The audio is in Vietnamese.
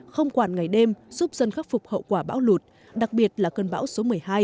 không quản ngày đêm giúp dân khắc phục hậu quả bão lụt đặc biệt là cơn bão số một mươi hai